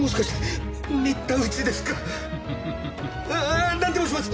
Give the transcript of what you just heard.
ああなんでもします！